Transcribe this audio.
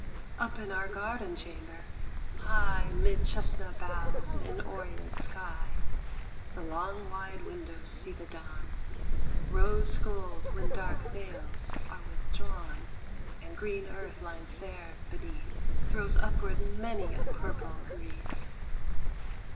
Up in our garden chamber, high 'Mid chestnut boughs in Orient sky The long wide windows see the dawn, Rose gold when dark veils are withdrawn And green earth lying fair beneath Throws upward many a purple wreath.